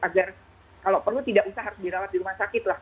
agar kalau perlu tidak usah harus dirawat di rumah sakit lah